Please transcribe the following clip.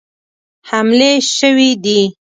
حملې سوي دي.